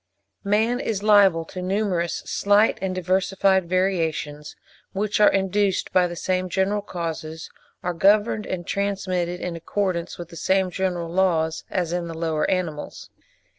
Man is liable to numerous, slight, and diversified variations, which are induced by the same general causes, are governed and transmitted in accordance with the same general laws, as in the lower animals.